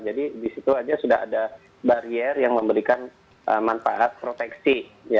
jadi di situ aja sudah ada barier yang memberikan manfaat proteksi